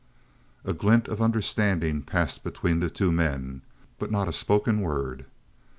A glint of understanding passed between the two men, but not a spoken word.